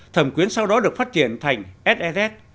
thẩm quyến sau đó được phát triển thành sss